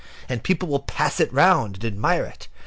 And people will pass it round, and admire it.